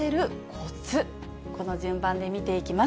この順番で見ていきます。